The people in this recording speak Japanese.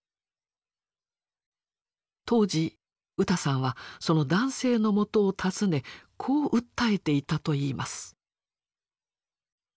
当時ウタさんはその男性のもとを訪ねこう訴えていたといいます。